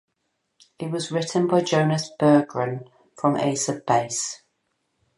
It was written by Jonas Berggren from Ace of Base.